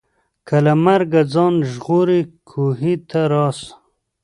که له مرګه ځان ژغورې کوهي ته راسه